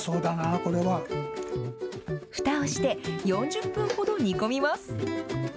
ふたをして、４０分ほど煮込みます。